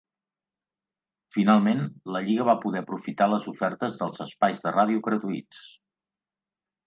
Finalment, la Lliga va poder aprofitar les ofertes dels espais de ràdio gratuïts.